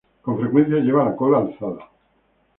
Con frecuencia lleva la cola alzada.